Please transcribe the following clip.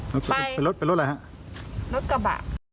ไปรถกระบะเป็นรถอะไรครับ